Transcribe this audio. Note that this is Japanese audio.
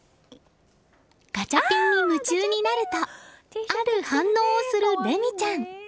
ガチャピンに夢中になるとある反応をする玲美ちゃん。